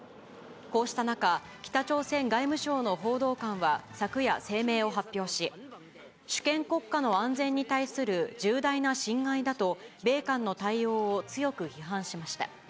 こうした中、北朝鮮外務省の報道官は昨夜、声明を発表し、主権国家の安全に対する重大な侵害だと、米韓の対応を強く批判しました。